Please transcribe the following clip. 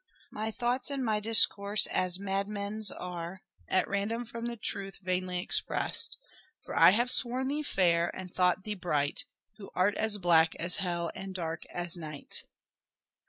My thoughts and my discourse as madmen's are At random from the truth, vainly expressed ; For I have sworn thee fair and thought thee bright Who art as black as hell and dark as night."